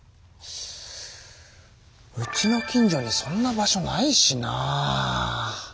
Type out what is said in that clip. うちの近所にそんな場所ないしな？